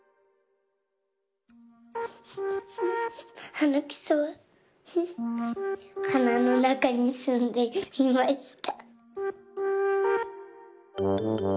はなくそははなのなかにすんでいました。